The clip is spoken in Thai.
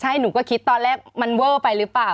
ใช่หนูก็คิดตอนแรกมันเวอร์ไปหรือเปล่า